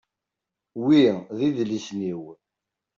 Wi d idlisen-iw.